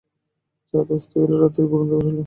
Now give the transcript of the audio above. চাঁদ অস্ত গেল, রাত্রি ঘোর অন্ধকার হইল।